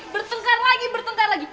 bertengkar lagi bertengkar lagi